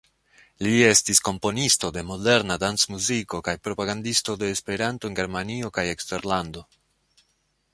Li estis komponisto de moderna dancmuziko kaj propagandisto de Esperanto en Germanio kaj eksterlando.